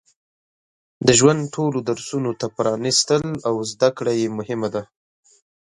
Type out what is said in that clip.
د ژوند ټولو درسونو ته پرانستل او زده کړه یې مهمه ده.